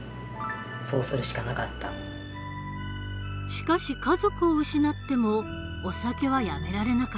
しかし家族を失ってもお酒はやめられなかった。